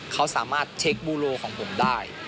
เขาสามารถเช็คบูโลของผมได้